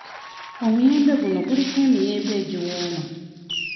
Omuyembe guno guliko emiyembe egiwooma.